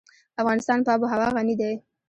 افغانستان په آب وهوا غني دی.